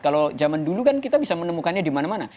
kalau zaman dulu kan kita bisa menemukannya dimana mana